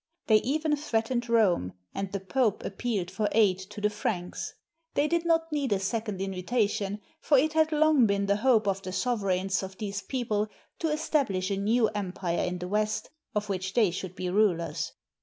They even threatened Rome, and the Pope appealed for aid to the Franks. They did not need a second invitation, for it had long been the hope of the sov ereigns of these people to estabhsh a new empire in the West, of which they should be rulers.